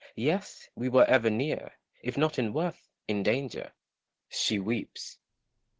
Yes, we were ever near — if not in worth, in danger. She weeps.